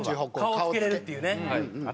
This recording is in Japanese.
顔付けれるっていうね。